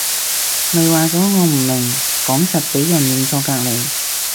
咪話咗我唔明講實畀人諗錯隔離